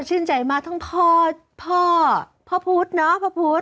ชื่นใจมากทั้งพ่อพ่อพุทธเนอะพ่อพุทธ